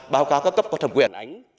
báo cáo các cấp có thẩm quyền